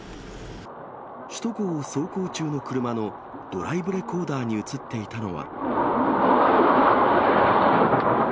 首都高を走行中の車のドライブレコーダーに写っていたのは。